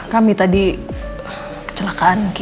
kami tadi kecelakaan